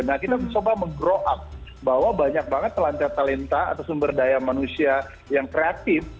nah kita mencoba meng grow up bahwa banyak banget talenta talenta atau sumber daya manusia yang kreatif